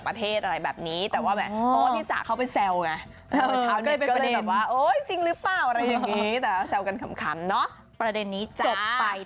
ประเด็นนี้จบไปแต่อีก